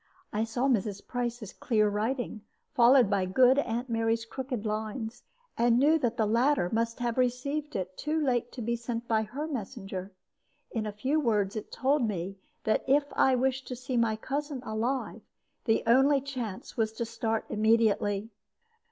I saw Mrs. Price's clear writing, followed by good Aunt Mary's crooked lines, and knew that the latter must have received it too late to be sent by her messenger. In few words it told me that if I wished to see my cousin alive, the only chance was to start immediately.